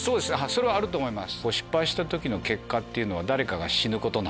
それはあると思います。